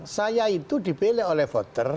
saya itu dipilih oleh voter